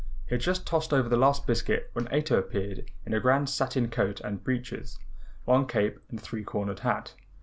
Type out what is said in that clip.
He had just tossed over the last biscuit when Ato appeared in a grand satin coat and breeches, long cape and three cornered hat.